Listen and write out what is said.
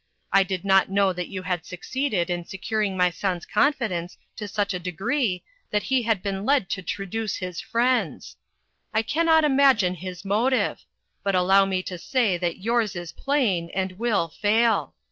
I did not know that you had succeeded in securing my son's confidence to such a de gree that he had been led to traduce his friends. I can not imagine his motive ; but allow me to say that yours is plain, and will fail.